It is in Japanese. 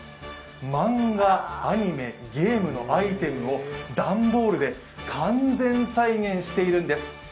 マンガ、ゲームのアイテムを段ボールで完全再現しているんです。